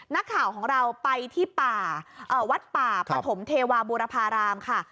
นักข่าวของเราไปที่ป่าวัดป่าปฐมเทวาบูรพารามค่ะ